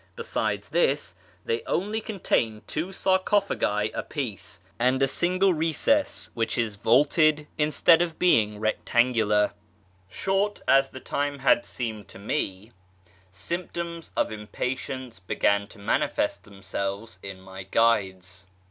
Besides this, they only contain two sarcophagi a piece, and a single recess, which is vaulted instead of being rectangular. Short as the time had seemed to me, symptoms of impatience began to manifest themselves' in my guides.